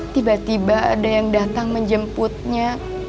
tiba tiba ada yang datang menjemputnya